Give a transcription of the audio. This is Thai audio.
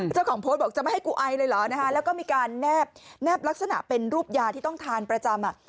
เจ้าของโพสต์บอกจะไม่ให้กูไอเลยเหรอนะคะแล้วก็มีการแนบแนบลักษณะเป็นรูปยาที่ต้องทานประจำอ่ะ